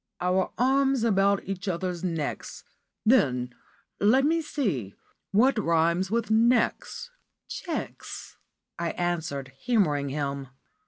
'Our arms about each other's necks.' Then, let me see, what rhymes with 'necks'?" "Cheques," I answered, humouring him.